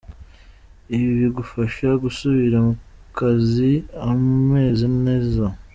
Ibi bigufasha gusubira mu kazi umeze neza”.